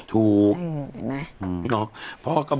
ถูก